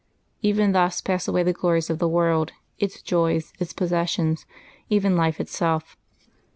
Even thus pass away the glories of the world, its joys, its possessions, even life itself.